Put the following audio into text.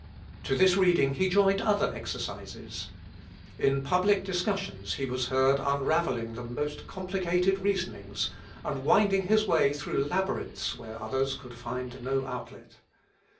To this reading he joined other exercises. In public discussions he was heard unravelling the most complicated reasonings, and winding his way through labyrinths where others could find no outlet.